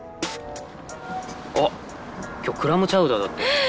あっ今日クラムチャウダーだって。